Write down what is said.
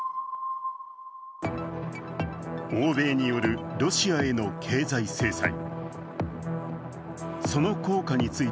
欧米によるロシアへの経済制裁。